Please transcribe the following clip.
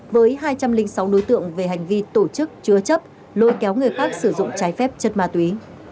với hai trăm linh sáu đối tượng về hành vi tổ chức chứa chấp lôi kéo người khác sử dụng trái phép chất ma túy